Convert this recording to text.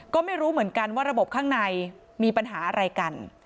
ก็ไม่รู้เหมือนกันว่าระบบข้างในมีปัญหาอะไรกัน